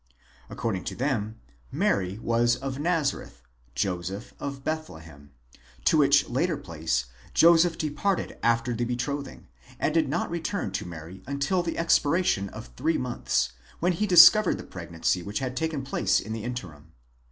According to them Mary was of Nazareth, Joseph of Bethlehem; to which latter place Joseph departed after the betrothing, and did not return to Mary until the expiration of three months, when he discovered the pregnancy which had taken place in the interim.